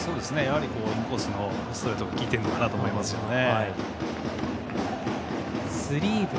インコースのストレートが効いているのかなと思いますね。